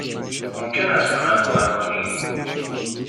ممکن است به من کمک کنید؟